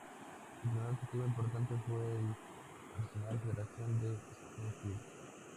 Su primer objetivo importante fue el arsenal federal en Springfield.